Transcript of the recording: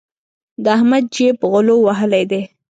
د احمد جېب غلو وهلی دی.